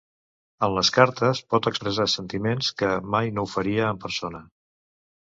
En les cartes pot expressar sentiments que mai no ho faria en persona.